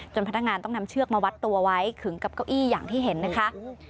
พนักงานต้องนำเชือกมาวัดตัวไว้ขึงกับเก้าอี้อย่างที่เห็นนะคะ